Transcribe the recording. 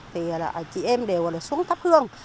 thì chị em đều xuống thắp hương